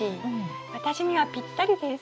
私にはぴったりです。